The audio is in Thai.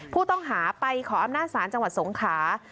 ผู้ต้องหาไปขออำนาจศาลจังหวัดสงขา